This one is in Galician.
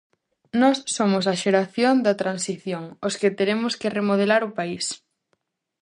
Nós somos a xeración da transición, os que teremos que remodelar o país.